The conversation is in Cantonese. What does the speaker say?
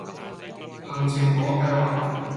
行程我計劃